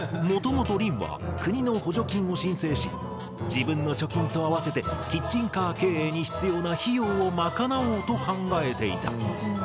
もともとりんは国の補助金を申請し自分の貯金と合わせてキッチンカー経営に必要な費用を賄おうと考えていた。